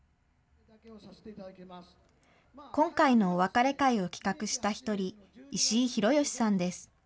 今回のお別れ会を企画した１人、石井弘芳さんです。